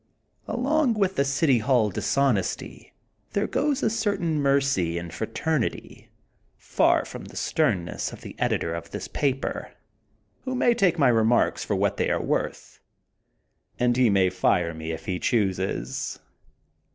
Along with the City Hall dishonesty there goes a certain mercy and fraternity, far from the sternness of the editor of this paper, who may take my remarks for what they are worth, and he may fire me if he chooses.